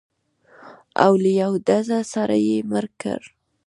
او له یوه ډزه سره یې مړ کړ.